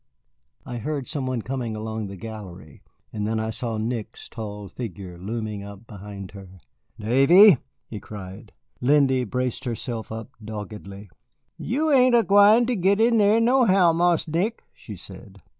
I heard some one coming along the gallery, and then I saw Nick's tall figure looming up behind her. "Davy," he cried. Lindy braced herself up doggedly. "Yo' ain't er gwine to git in thar nohow, Marse Nick," she said.